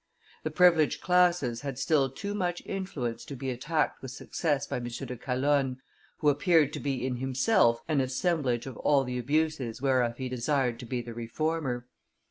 The privileged classes had still too much influence to be attacked with success by M. de Calonne, who appeared to be in himself an assemblage of all the abuses whereof he desired to be the reformer.